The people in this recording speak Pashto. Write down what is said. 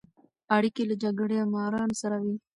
اړیکې له جګړه مارانو سره وې.